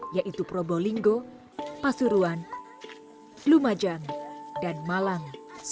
yaitu probolinggo pasuruan lumajang dan malang